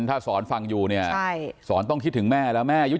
ถ้าสอนฟังอยู่เนี่ยสอนต้องคิดถึงแม่แล้วแม่อายุ